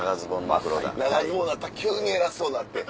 長ズボンになったら急に偉そうになって。